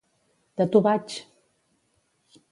De tu vaig!